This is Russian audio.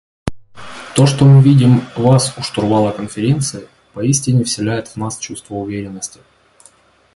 То, что мы видим вас у штурвала Конференции, поистине вселяет в нас чувство уверенности.